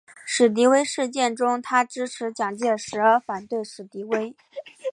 史迪威事件中他支持蒋介石而反对史迪威。